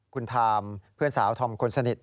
คุณทามเพื่อนสาวธอมคนสนิท